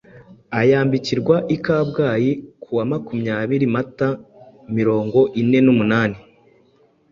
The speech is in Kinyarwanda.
ayambikirwa i Kabgayi ku wa makumyabiri mata mirongo ine numunani